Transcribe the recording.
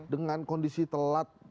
dengan kondisi telat